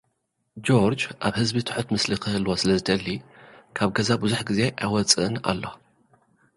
ጆርጅ፡ ኣብ ህዝቢ ትሑት ምስሊ ክህልዎ ስለዝደሊ፡ ካብ ገዛ ብዙሕ ግዜ ኣይወጽእን ኣሎ።